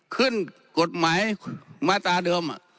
ขึ้นกฎหมายมาตราเดิม